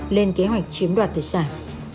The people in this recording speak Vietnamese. lên kế hoạch chiếm đoạt tài sản